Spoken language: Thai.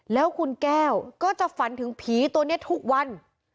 แล้วคุณแก้วก็จะฝันถึงผีตัวนี้ทุกวัน